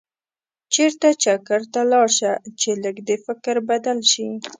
چېرته چکر ته لاړ شه چې لږ دې فکر بدل شي.